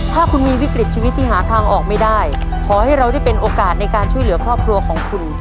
ถ้าคุณมีวิกฤตชีวิตที่หาทางออกไม่ได้ขอให้เราได้เป็นโอกาสในการช่วยเหลือครอบครัวของคุณ